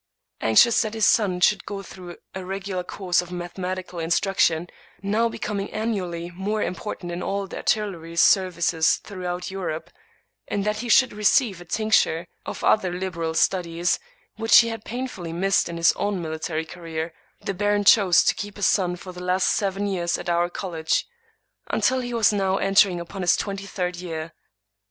Anxious that his son should go through a regular course of mathematical instruction, now becoming annually more important in all the artillery services through out Europe, and that he should receive a tincture of other liberal studies which he had painfully missed in his own military career, the baron chose to keep his son for the last seven years at our college, until he was now entering upon his twenty third year.